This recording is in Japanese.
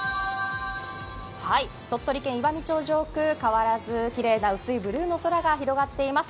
鳥取県岩美町上空、変わらず薄いブルーの空が広がっています。